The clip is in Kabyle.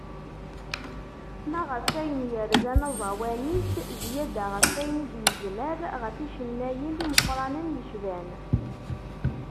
Ma ɣef wayen yerzan aẓawan-is, zyada ɣef wayen i d-yegmer ɣer yicennayen imeqqranen, yecban.